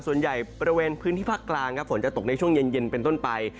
ส่วนใหญ่บริเวณพื้นที่ภาคกลางครับฝนจะตกในช่วงเย็นเป็นต้นไป